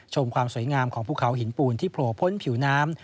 ความสวยงามของภูเขาหินปูนที่โผล่พ้นผิวน้ำ